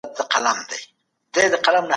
اګوست کنت د بشپړتیا درې مرحلې وښودې.